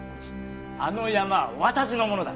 あの山は私のものだ。